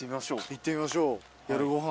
行ってみましょう夜ご飯。